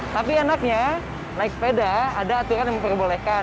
tapi enaknya naik sepeda ada aturan yang memperbolehkan